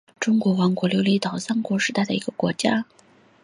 中山王国琉球群岛三山时代的一个国家。